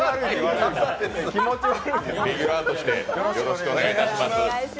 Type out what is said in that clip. レギュラ−としてよろしくお願いします。